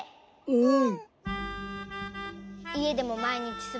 うん。